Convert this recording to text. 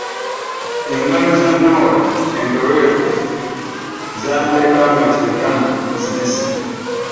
Engalo za Norah empeweevu zandekanga kyenkana nzirise.